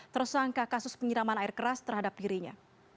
tersangka kasus penyiraman air keras terhadap dirinya